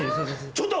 ちょっと！